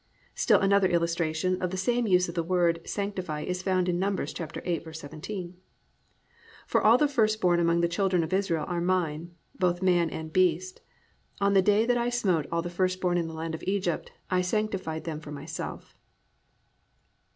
Still another illustration of this same use of the word sanctify is found in Num. 8:17, +"For all the firstborn among the children of Israel are mine, both man and beast: on the day that I smote all the firstborn in the land of Egypt I sanctified them for myself."